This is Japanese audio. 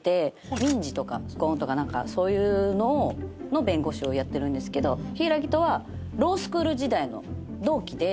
民事とかそういうのの弁護士をやってるんですけど柊木とはロースクール時代の同期で。